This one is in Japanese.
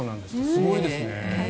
すごいですね。